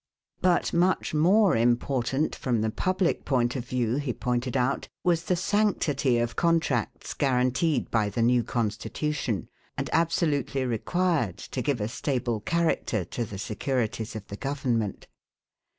But much more important from the public point of view, he pointed out, was the sanctity of contracts guaranteed by the new Constitution, and absolutely required to give a stable character to the securities of the government.